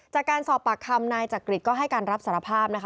จากการสอบปากคำนายจักริตก็ให้การรับสารภาพนะคะ